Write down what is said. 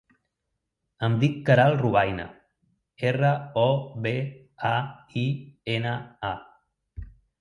Em dic Queralt Robaina: erra, o, be, a, i, ena, a.